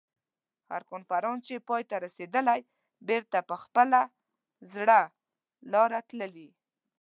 هر کنفرانس چې پای ته رسېدلی بېرته په خپله زړه لاره تللي.